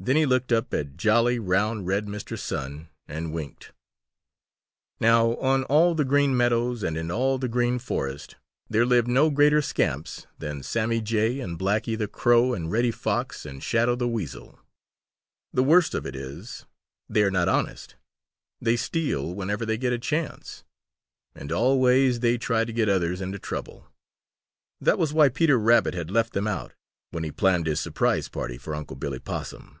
Then he looked up at jolly, round, red Mr. Sun and winked. Now on all the Green Meadows and in all the Green Forest, there live no greater scamps than Sammy Jay and Blacky the Crow and Reddy Fox and Shadow the Weasel. The worst of it is, they are not honest. They steal whenever they get a chance, and always they try to get others into trouble. That was why Peter Rabbit had left them out, when he planned his surprise party for Unc' Billy Possum.